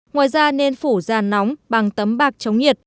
ngoài ra nên phủ giàn nóng bằng tấm bạc chống nhiệt